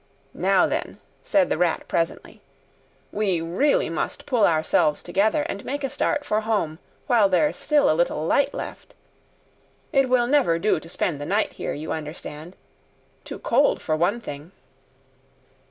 "Now then," said the Rat presently, "we really must pull ourselves together and make a start for home while there's still a little light left. It will never do to spend the night here, you understand. Too cold, for one thing."